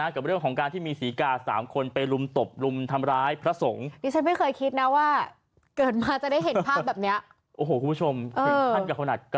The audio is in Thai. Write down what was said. กับเรื่องของการที่มีศรีกา๓คนไปลุมตบรุมทำร้ายพระสงฆ์